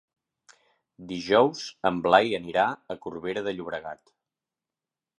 Dijous en Blai anirà a Corbera de Llobregat.